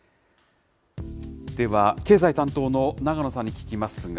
では経済担当の長野さんに聞きますが。